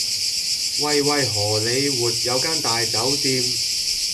喂喂荷里活有間大酒店